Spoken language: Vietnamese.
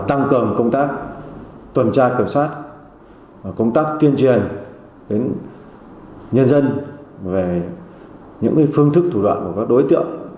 tăng cường công tác tuần tra kiểm soát công tác tuyên truyền đến nhân dân về những phương thức thủ đoạn của các đối tượng